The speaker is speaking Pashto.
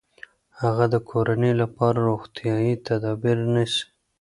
هغه د کورنۍ لپاره روغتیايي تدابیر نیسي.